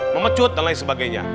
memecut dan lain sebagainya